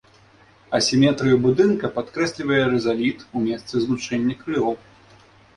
Асіметрыю будынка падкрэслівае рызаліт у месцы злучэння крылаў.